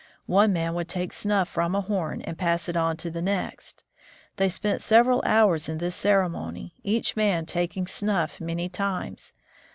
One man would take snuff from a horn, and pass it on to the next. They spent several hours in this cere mony, each man taking snuff many times.